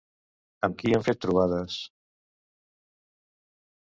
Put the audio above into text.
Amb qui ha fet trobades?